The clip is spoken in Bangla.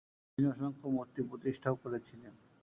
তিনি অসংখ্য মূর্তি প্রতিষ্ঠাও করেছিলেন।